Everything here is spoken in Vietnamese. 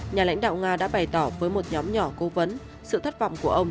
nhà lãnh đạo nga đã bày tỏ với một nhóm nhỏ cố vấn sự thất vọng của ông